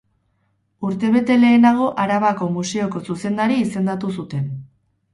Urtebete lehenago Arabako Museoko zuzendari izendatu zuten.